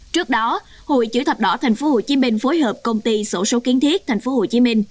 trước đó hội chữ thập đỏ tp hcm phối hợp công ty sổ số kiến thiết tp hcm